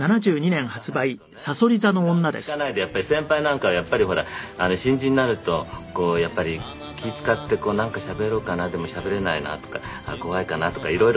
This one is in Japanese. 無駄口利かないで先輩なんかはやっぱりほら新人になるとやっぱり気ぃ使ってなんかしゃべろうかなでもしゃべれないなとか怖いかなとか色々考えますよね。